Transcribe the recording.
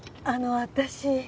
あの私。